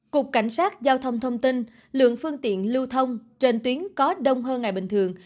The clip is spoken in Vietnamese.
cục cảnh sát giao thông thông tin lượng phương tiện lưu thông trên tuyến có đông hơn ngày bình thường